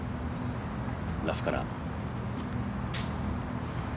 ラフから。